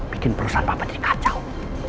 bikin perusahaan papa jadi kacau